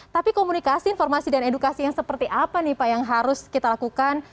tapi komunikasi informasi dan edukasi yang seperti apa nih pak yang harus kita lakukan